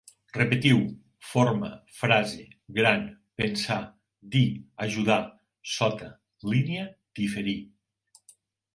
Repetiu: forma, frase, gran, pensar, dir, ajudar, sota, línia, diferir